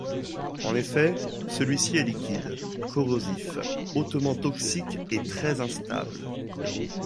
En effet, celui-ci est liquide, corrosif, hautement toxique et très instable.